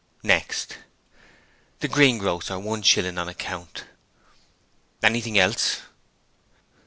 'Next?' 'The greengrocer; one shilling on account.' 'Anything else?'